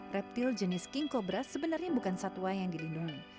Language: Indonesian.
reptil jenis king cobra sebenarnya bukan satwa yang dilindungi